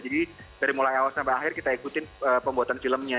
jadi dari mulai awal sampai akhir kita ikutin pembuatan filmnya